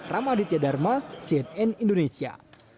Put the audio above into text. ramaditya dharma cnn indonesia